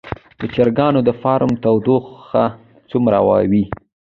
د چرګانو د فارم تودوخه څومره وي؟